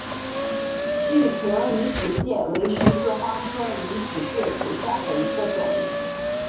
具葶离子芥为十字花科离子芥属下的一个种。